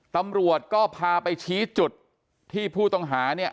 ตำรวจก็พาไปชี้จุดที่ผู้ต้องหาเนี่ย